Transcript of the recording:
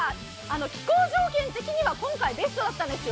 気候条件的には今回、ベストだったんですよ。